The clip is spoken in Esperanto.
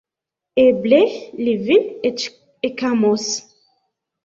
Eble, li vin eĉ ekamos.